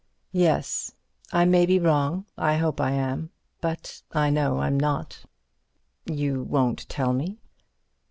"Yes. I may be wrong. I hope I am, but I know I'm not." "You won't tell me?"